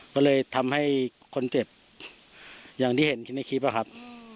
ก็เลยทำให้คนเจ็บอย่างที่เห็นในคลิปอะครับ